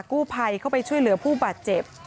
กู้ภัยเข้าไปช่วยเหลือผู้บาดเจ็บ